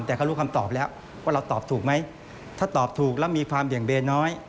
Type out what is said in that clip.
แต่เขารู้คำตอบแล้วว่าเราตอบถูกไหมถ้าตอบถูกแล้วมีความเบี่ยงเบนน้อย